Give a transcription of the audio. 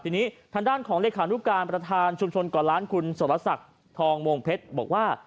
ทีนี้ทางด้านของเลขานุการประธานชุมชนก่อนล้านคุณสรศักดิ์ทองวงเพชรบอกว่า